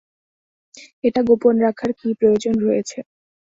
এটা গোপন রাখার কী প্রয়োজন রয়েছে?